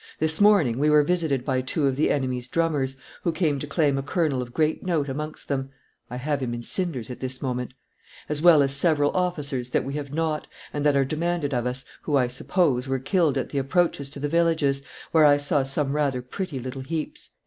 This morning we were visited by two of the enemy's drummers, who came to claim a colonel of great note amongst them (I have him in cinders at this moment), as well as several officers that we have not, and that are demanded of us, who, I suppose, were killed at the approaches to the villages, where I saw some rather pretty little heaps."